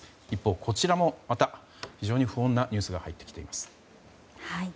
一方、こちらもまた非常に不穏なニュースが入ってきています。